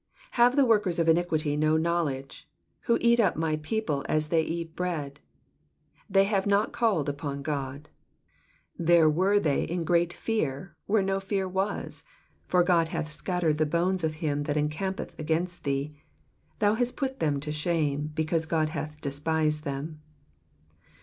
4 Have the workers of iniquity no knowledge? who eat up my people as they eat bread : they have not called upon God. 5 There were they in great fear, where no fear was : for God hath scattered the bones of him that encampeth against thee : thou hast put them to shame, because God hath despised them.